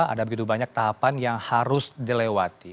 ada begitu banyak tahapan yang harus dilewati